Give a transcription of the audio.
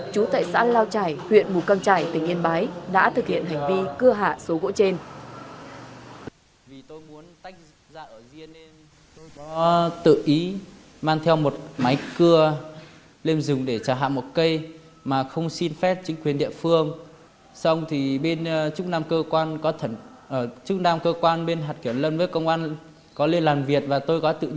chú tại xã lao trải huyện mù căng trải tỉnh yên bái đã thực hiện hành vi cưa hạ số gỗ trên